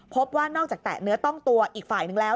พบว่านอกจากแตะเนื้อต้องตัวอีกฝ่ายนึงแล้ว